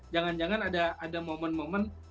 jangan jangan ada momen momen mereka begitu asik